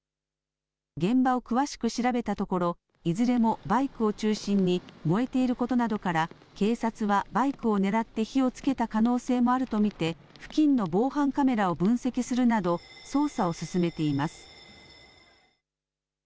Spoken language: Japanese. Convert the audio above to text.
現場を詳しく調べたところいずれもバイクを中心に燃えていることなどから警察はバイクを狙って火をつけた可能性もあると見て付近の防犯カメラを分析するなど捜査を進めています。